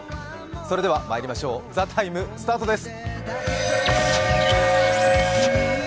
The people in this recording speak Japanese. ではまいりましょう、「ＴＨＥＴＩＭＥ，」スタートです。